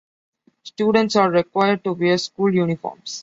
Students are required to wear school uniforms.